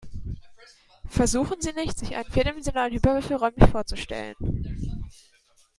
Versuchen Sie nicht, sich einen vierdimensionalen Hyperwürfel räumlich vorzustellen.